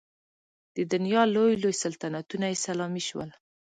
د دنیا لوی لوی سلطنتونه یې سلامي شول.